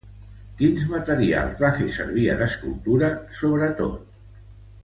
Quins materials va fer servir en escultura, sobretot?